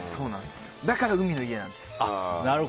だから海の家なんですよ。